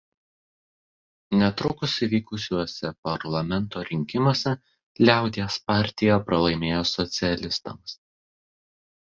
Netrukus įvykusiuose parlamento rinkimuose Liaudies partija pralaimėjo socialistams.